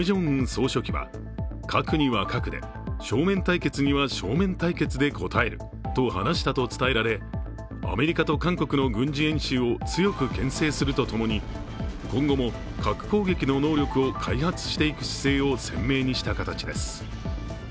総書記は、核には核で、正面対決には正面対決で応えると話したと伝えられアメリカと韓国の軍事演習を強くけん制するとともに今後も核攻撃の能力を開発していく姿勢を鮮明にした形です。